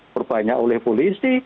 perbanyak oleh polisi